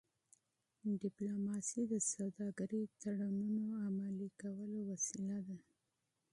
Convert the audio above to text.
ډيپلوماسي د سوداګری د تړونونو عملي کولو وسیله ده.